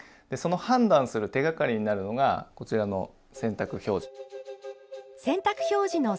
その判断する手がかりになるのがこちらの洗濯表示。